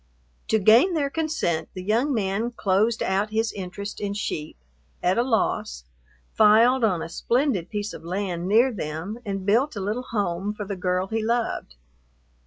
To gain their consent the young man closed out his interest in sheep, at a loss, filed on a splendid piece of land near them, and built a little home for the girl he loved.